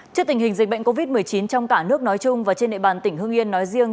trước tình hình dịch bệnh covid một mươi chín trong cả nước nói chung và trên địa bàn tỉnh hương yên nói riêng